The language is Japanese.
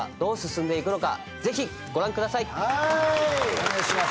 お願いします。